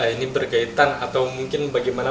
ini berkaitan atau mungkin bagaimana